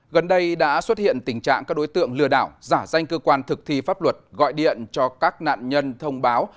gần đây đã xuất hiện tình trạng các đối tượng lừa đảo giả danh cơ quan thực thi pháp luật gọi điện cho các nạn nhân thông báo